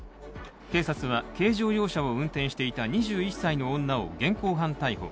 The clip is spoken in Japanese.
警察は軽乗用車を運転していた２１歳の女を現行犯逮捕。